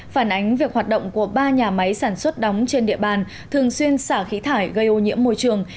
phản ánh việc hoạt động của ba nhà máy sản xuất đóng trên địa bàn thường xuyên xả khí thải gây ô nhiễm môi trường